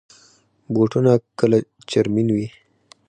بوټونه کله چرمین وي.